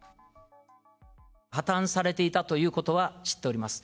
破綻されていたということは知っております。